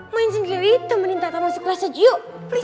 main sendiri itu menintakan masuk kelas aja yuk